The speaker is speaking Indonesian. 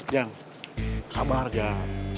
yang sabar jan